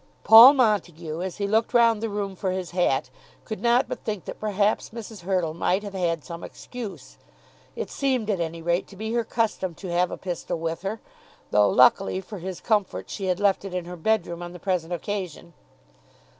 Paul Montague, as he looked round the room for his hat, could not but think that perhaps Mrs. Hurtle might have had some excuse. It seemed at any rate to be her custom to have a pistol with her, though luckily, for his comfort, she had left it in her bedroom on the present occasion.